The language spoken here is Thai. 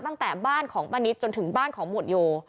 ตั้งแต่บ้านของป้านิตจนถึงบ้านของหมวดโย